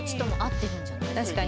確かに。